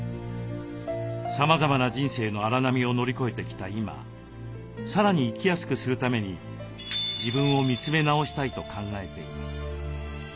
さまざまな人生の荒波を乗り越えてきた今さらに生きやすくするために自分を見つめなおしたいと考えています。